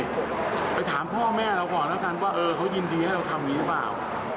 ไปถามพ่อแม่เราก่อนแล้วกันว่าเออเขายินดีให้เราทำอย่างนี้หรือเปล่า